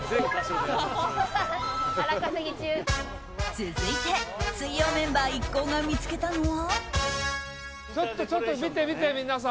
続いて、水曜メンバー一行が見つけたのは。